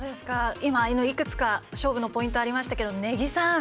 今、いくつか勝負のポイントありましたけども根木さん